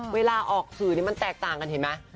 เวลาออกสื่อนี่มันแตกต่างกันเห็นไหม